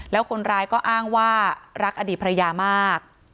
แล้วคนร้ายก็อ้างว่ารักอดีตภรรยามาก